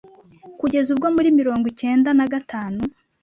kugeza ubwo muri mirongo icyenda nagatanu